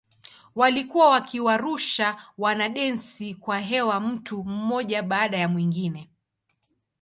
Walikuwa wakiwarusha wanadensi kwa hewa mtu mmoja baada ya mwingine.